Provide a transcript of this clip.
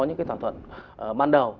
những thỏa thuận ban đầu